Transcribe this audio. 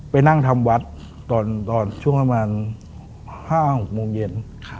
ไปนั่งทำวัดตอนช่วงประมาณ๕๖โมงเย็น